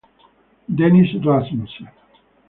Dennis Rasmussen